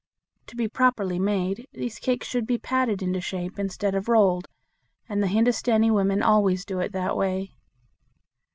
To be properly made these cakes should be patted into shape instead of rolled, and the Hindustani women always do it that way.